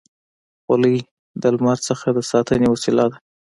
خولۍ د لمر نه د ساتنې وسیله ده.